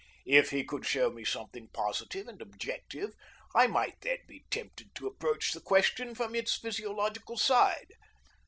If he could show me something positive and objective, I might then be tempted to approach the question from its physiological side.